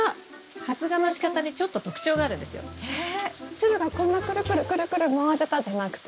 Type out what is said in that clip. つるがこんなくるくるくるくる回ってたじゃなくて？